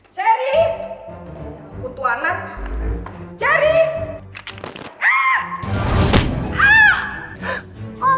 siapa yang telepon mas